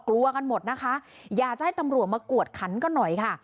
กลัวกันหมดนะคะอยากจะให้ตำรวจมากวดขันก็หน่อยค่ะ